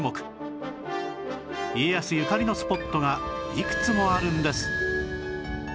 家康ゆかりのスポットがいくつもあるんです